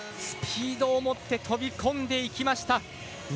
スピードを持って飛び込んでいきました。